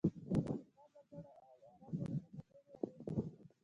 د افغانستان وګړو او عربو متقابلې اغېزې وې.